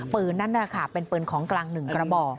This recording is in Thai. ปืนนั่นเป็นเปลือนของกลางหนึ่งกระบ่อ